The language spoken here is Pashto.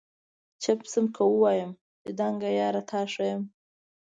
چپ سمه که ووایم چي دنګه یاره تا ښایم؟